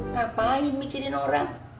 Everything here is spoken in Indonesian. ngapain mikirin orang